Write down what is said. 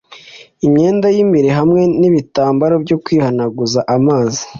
Imyenda y’imbere hamwe n’ibitambaro byo kwihanaguza amazi